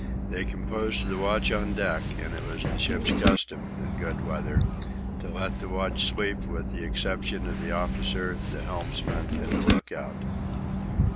They composed the watch on deck, and it was the ship's custom, in good weather, to let the watch sleep with the exception of the officer, the helmsman, and the look out.